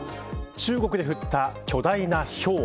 中国で降った巨大なひょう。